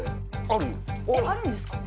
あるんですか？